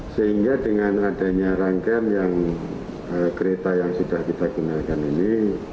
sehingga dengan adanya rangkaian yang kereta yang sudah kita gunakan ini